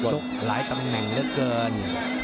หนับจุกหลายตำแหน่งเยอะเกิน